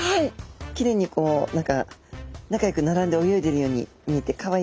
きれいにこう何か仲良く並んで泳いでいるように見えてかわいいですね。